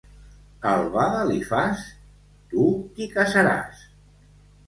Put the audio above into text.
Albada li fas? Tu t'hi casaràs.